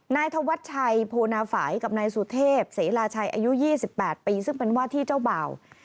นายธวัชชัยโพนาฝ่ายกับนายสุเทพเสราชัยอายุ๒๘ปีซึ่งเป็นว่าที่เจ้าบ่าว